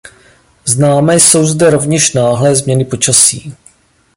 Známé jsou zde rovněž náhlé změny počasí.